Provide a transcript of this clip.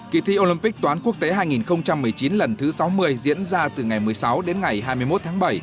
kỳ thi olympic toán quốc tế hai nghìn một mươi chín lần thứ sáu mươi diễn ra từ ngày một mươi sáu đến ngày hai mươi một tháng bảy